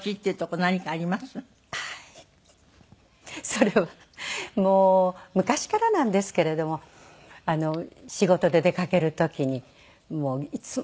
それはもう昔からなんですけれども仕事で出かける時にいつもギリギリなんですね。